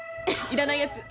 いらないやつ。